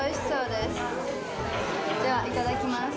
では、いただきます。